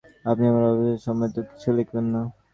আপনি আপনার অভিপ্রায় সম্বন্ধে তো কিছু লিখলেন না।